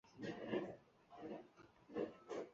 雍正三年。